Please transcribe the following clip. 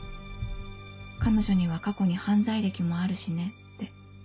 彼女には過去に犯罪歴もあるしね」って。